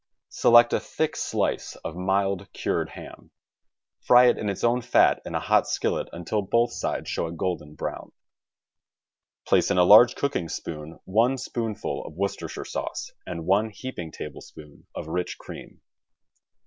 Select a thick slice of mild cured ham, fry it in its own fat in a hot skillet until both sides show a golden brown. Place in a large cooking spoon one spoonful of Worcester shire sauce, and one heaping tablespoon of rich cream.